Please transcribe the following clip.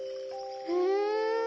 ふん。